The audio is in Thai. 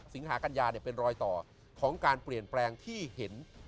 สิงหากัญญาเป็นรอยต่อของการเปลี่ยนแปลงที่เห็น